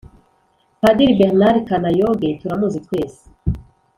padiri bernard kanayoge turamuzi twese